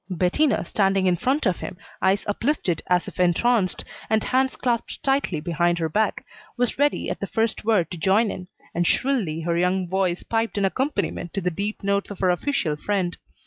Bettina, standing in front of him, eyes uplifted as if entranced, and hands clasped tightly behind her back, was ready at the first word to join in, and shrilly her young voice piped an accompaniment to the deep notes of her official friend.